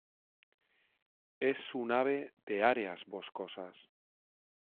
Es un ave de áreas boscosas.